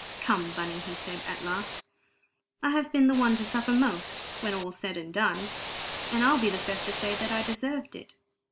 "Come, Bunny," he said at last, "I have been the one to suffer most, when all's said and done, and I'll be the first to say that I deserved it.